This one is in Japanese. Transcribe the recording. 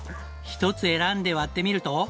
一つ選んで割ってみると。